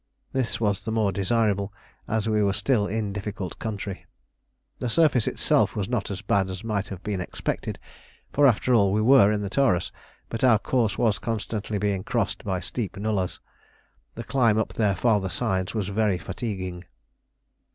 This was the more desirable, as we were still in difficult country. The surface itself was not as bad as might have been expected, for, after all, we were in the Taurus; but our course was constantly being crossed by steep nullahs. The climb up their farther sides was very fatiguing.